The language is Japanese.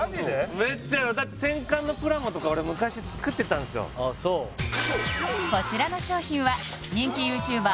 メッチャだって戦艦のプラモとか俺昔作ってたんすよああそうこちらの商品は人気ＹｏｕＴｕｂｅｒ